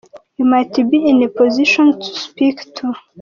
You might be in a position to speak to .